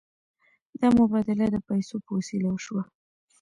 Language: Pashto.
دا مبادله د پیسو په وسیله وشوه.